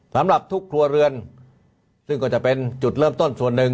สำหรับทุกครัวเรือนซึ่งก็จะเป็นจุดเริ่มต้นส่วนหนึ่ง